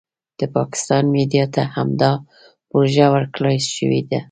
د پاکستان میډیا ته همدا پروژه ورکړای شوې ده.